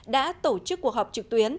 đã tổ chức cuộc họp trực tuyến